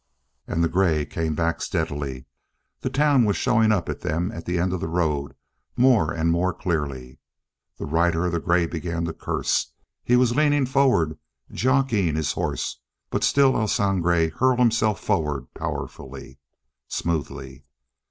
And the gray came back steadily. The town was shoving up at them at the end of the road more and more clearly. The rider of the gray began to curse. He was leaning forward, jockeying his horse, but still El Sangre hurled himself forward powerfully, smoothly.